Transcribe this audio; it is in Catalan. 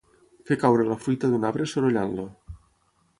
Fer caure la fruita d'un arbre sorollant-lo.